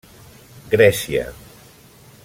Grècia.